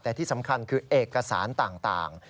แต่ที่สำคัญคือเอกสารต่าง